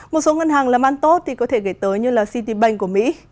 một số ngân hàng làm ăn tốt có thể kể tới như city bank của mỹ